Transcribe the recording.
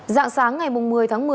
dạng sáng ngày một mươi tháng một mươi